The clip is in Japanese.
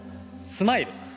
スマイル。